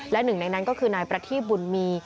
และหนึ่งในนั้นก็คือนายประทีบบุญมี